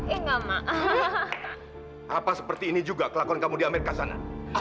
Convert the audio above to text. ya apa seperti ini juga kelakuan kamu di amerika sana